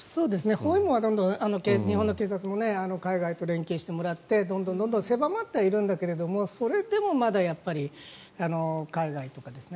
包囲網はどんどん日本の警察も海外と連携してもらってどんどん狭まってはいるんだけれどもそれでもまだやっぱり海外とかですね。